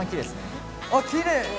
あっきれい。